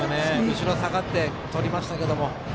後ろ下がって、とりましたけども。